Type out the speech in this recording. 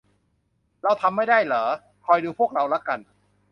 เราทำไม่ได้หรอ คอยดูพวกเราละกัน